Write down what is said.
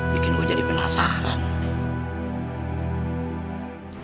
bikin gua jadi penasaran nih